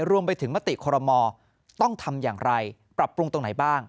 รวมไปถึงมติคลมมต้องทำอย่างไรปรับปรุงตรงไหนบ้าง